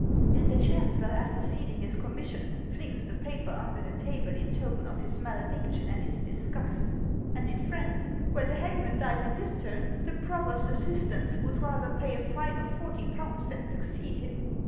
And the chancellor, after sealing his commission, flings the paper under the table in token of his malediction and his dis gust ! And in France, when the hangman dies in his turn, the provost's assistants would rather pay a fine of forty pounds than succeed him